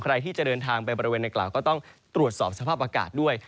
ใครที่จะเดินทางไปบริเวณในกล่าวก็ต้องตรวจสอบสภาพอากาศด้วย